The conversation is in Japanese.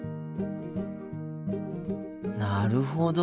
なるほど。